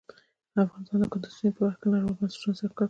افغانستان د کندز سیند په برخه کې نړیوالو بنسټونو سره کار کوي.